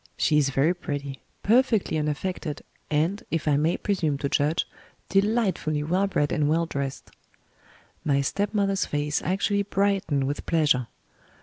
She is very pretty, perfectly unaffected, and, if I may presume to judge, delightfully well bred and well dressed." My stepmother's face actually brightened with pleasure.